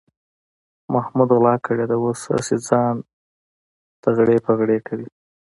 محمود غلا کړې ده، اوس هسې ځان تغړې پغړې کوي.